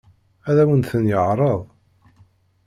Ad awen-ten-yeɛṛeḍ?